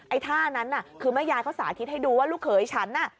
ท่านั้นน่ะคือแม่ยายเขาสาธิตให้ดูว่าลูกเขยฉันน่ะ